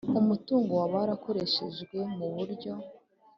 umutungo waba warakoreshejwe mu buryo